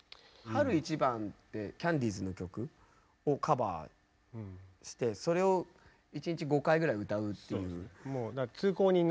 「春一番」ってキャンディーズの曲をカバーしてそれを１日５回ぐらい歌うっていう。